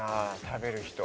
食べる人。